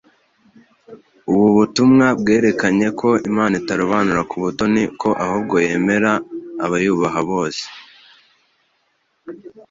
Ubu butumwa bwerekanye ko Imana itarobanura ku butoni ko ahubwo yemera abayubaha bose.